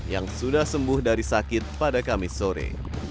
yang sudah sembuh dari sakit pada kamis sore